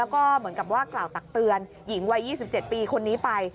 แล้วก็เหมือนกับว่ากล่าวตักเตือนหญิงวัย๒๗ปีคนนี้ไป